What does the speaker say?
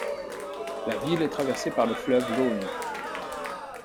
La ville est traversée par le fleuve Laune.